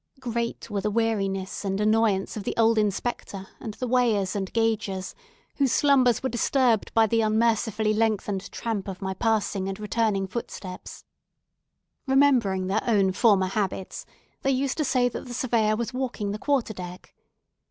Great were the weariness and annoyance of the old Inspector and the Weighers and Gaugers, whose slumbers were disturbed by the unmercifully lengthened tramp of my passing and returning footsteps. Remembering their own former habits, they used to say that the Surveyor was walking the quarter deck.